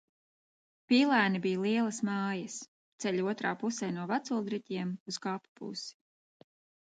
Pīlēni bija lielas mājas, ceļa otrā pusē no Veculdriķiem uz kapu pusi.